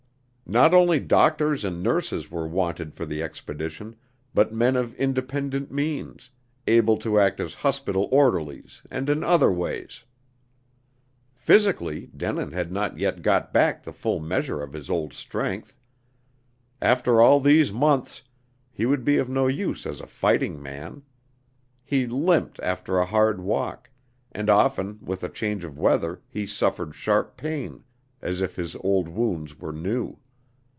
Not only doctors and nurses were wanted for the expedition, but men of independent means, able to act as hospital orderlies and in other ways. Physically, Denin had not yet got back the full measure of his old strength. After all these months, he would be of no use as a fighting man. He limped after a hard walk; and often with a change of weather he suffered sharp pain, as if his old wounds were new.